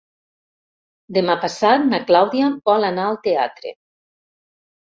Demà passat na Clàudia vol anar al teatre.